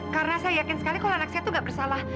karena saya yakin sekali kalau anak saya tuh gak bersalah